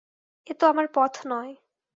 এ তো আমার পথ নয়!